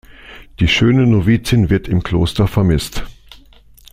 Die schöne Novizin wird im Kloster vermisst.